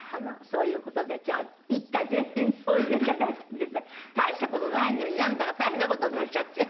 そういう事で今日は一家全員でおいでいただいたんですが大した事ないのになんでだか大変な事になっちゃって。